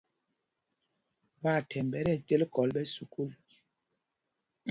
Ɓwaathɛmb ɓɛ tí ɛcêl kɔl ɓɛ̌ sukûl.